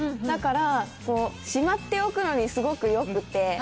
だから、しまっておくのにすごくよくて。